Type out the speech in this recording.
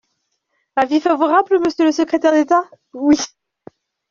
Avis favorable, monsieur le secrétaire d’État ? Oui.